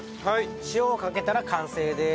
塩をかけたら完成でーす。